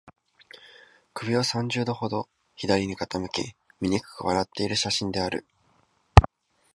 首を三十度ほど左に傾け、醜く笑っている写真である